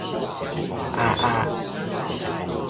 啊啊